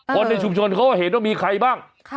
คนในชุมชนเขาก็เห็นว่ามีใครบ้าง